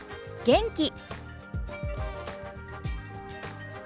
元気。